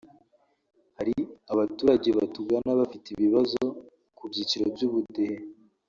Hari abaturage batugana bafite ibibazo ku byiciro by’ubudehe